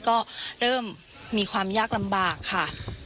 ก็เริ่มมีความยากลำบากค่ะ